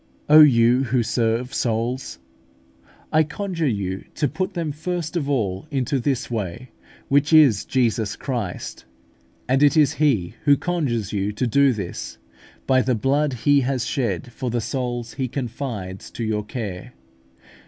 O you who serve souls! I conjure you to put them first of all into this way, which is Jesus Christ; and it is He who conjures you to do this by the blood He has shed for the souls He confides to your care.